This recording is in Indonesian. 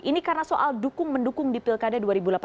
ini karena soal dukung mendukung di pilkada dua ribu delapan belas